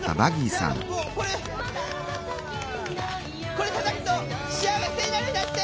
これたたくと幸せになるんだって！